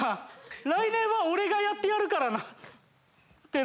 来年は俺がやってやるからな」ってなった。